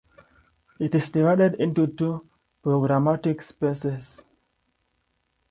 It is divided into two programmatic spaces.